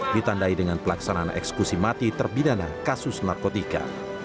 ditandai dengan pelaksanaan eksekusi mati terbidana kasus narkotika